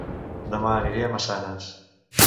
Dema aniré a Massanes